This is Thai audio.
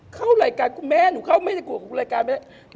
เข้ารายการคุณแม่หนูเข้าไม่ได้โกรธกับรายการแม่